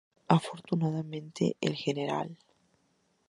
Afortunadamente el Gral.